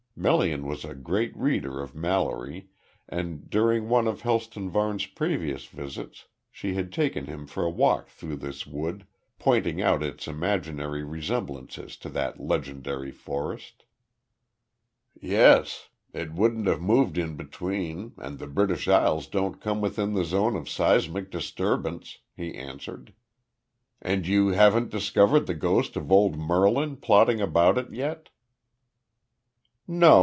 Melian was a great reader of Mallory, and during one of Helston Varne's previous visits she had taken him for a walk through this wood, pointing out its imaginary resemblances to that legendary forest. "Yes. It wouldn't have moved in between, and the British Isles don't come within the zone of seismic disturbance," he answered. "And you haven't discovered the ghost of old Merlin plodding about it yet?" "No.